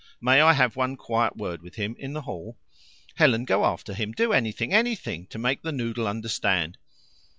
"May I have one quiet word with him in the hall?" "Helen, go after him do anything ANYTHING to make the noodle understand."